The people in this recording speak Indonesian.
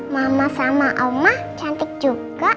mama sama allah cantik juga